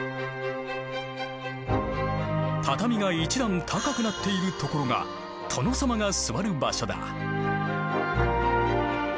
畳が一段高くなっているところが殿様が座る場所だ。